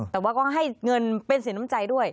แต่ว่าก็ให้เงินเป็นสินน้ำใจด้วย